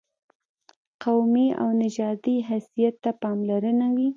قومي او نژادي حیثیت ته پاملرنه وي.